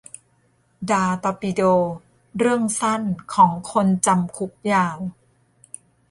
ดา ตอร์ปิโด : เรื่องสั้น ของคนจำ คุก ยาว